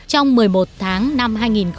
trong một mươi một tháng năm hai nghìn một mươi bảy